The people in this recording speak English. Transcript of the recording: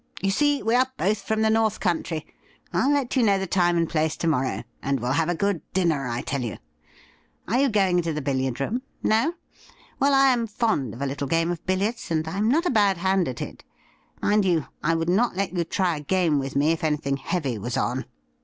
You see, we are both from the North Country. I'll let you know the time and place to morrow, and we'll have a good dinner, I tell you. Are you going into the billiard room ? No ? Well, I am fond of a little game of billiards, and I'm not a bad hand at it. Mind you, I would not let you try a game with me if anything heavy was on.'